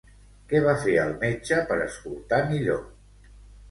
Què va fer el metge per escoltar millor?